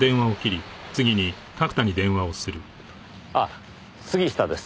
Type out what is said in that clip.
あっ杉下です。